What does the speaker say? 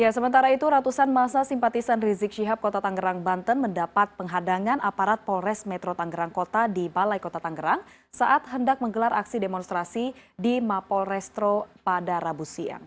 sementara itu ratusan masa simpatisan rizik syihab kota tangerang banten mendapat penghadangan aparat polres metro tanggerang kota di balai kota tangerang saat hendak menggelar aksi demonstrasi di mapol restro pada rabu siang